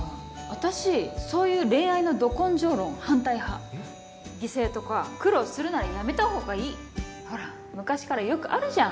私そういう恋愛のド根性論反対派犠牲とか苦労するならやめた方がいいほら昔からよくあるじゃん